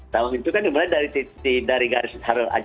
tawaf itu kan dimulai dari garis harul haji